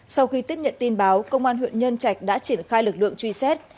sau khi tiếp nhận tin báo công an huyện nhân trạch đã triển khai lực lượng truy xét